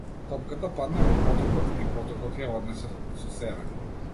Топката падна во потокот и потокот ја однесе со себе.